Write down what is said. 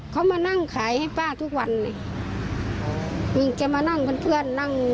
แกบ่นอะไรนะแกมานั่งแกก็นั่งกิน